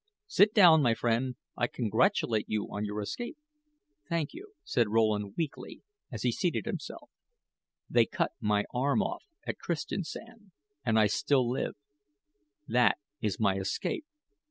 Sit down, my friend. I congratulate you on your escape." "Thank you," said Rowland, weakly, as he seated himself; "they cut my arm off at Christiansand, and I still live. That is my escape."